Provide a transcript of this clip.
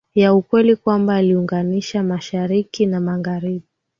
ya ukweli kwamba waliunganisha Mashariki na Magharibi